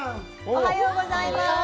おはようございます。